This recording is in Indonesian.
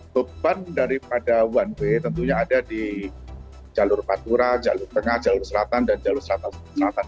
beban daripada one way tentunya ada di jalur pantura jalur tengah jalur selatan dan jalur selatan selatan